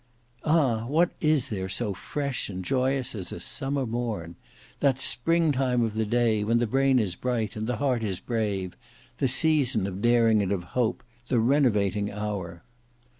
Ah! what is there so fresh and joyous as a summer morn! That spring time of the day, when the brain is bright, and the heart is brave; the season of daring and of hope; the renovating hour!